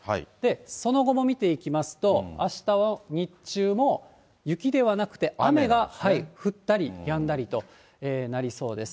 その後も見ていきますと、あしたの日中も雪ではなくて、雨が降ったりやんだりとなりそうです。